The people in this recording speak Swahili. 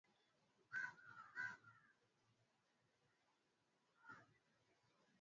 Anaugua ugonjwa wa kisukari